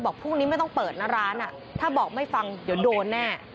พรุ่งนี้ไม่ต้องเปิดนะร้านถ้าบอกไม่ฟังเดี๋ยวโดนแน่